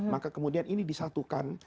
maka kemudian ini disatukan